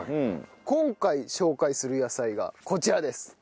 今回紹介する野菜がこちらです。